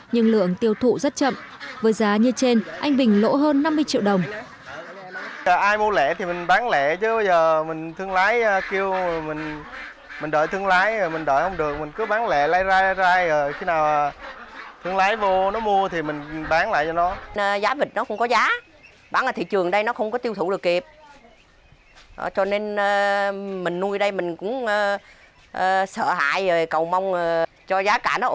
nhưng lượng tiêu thụ rất chậm với giá như trên anh bình lỗ hơn năm mươi triệu đồng